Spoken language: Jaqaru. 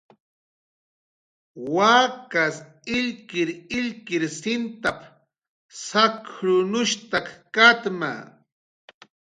"Wakas illkirillkir sintap"" sakrunshtak katma"